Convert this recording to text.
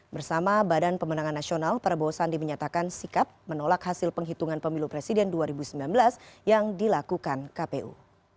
bersama badan pemenangan nasional prabowo sandi menyatakan sikap menolak hasil penghitungan pemilu presiden dua ribu sembilan belas yang dilakukan kpu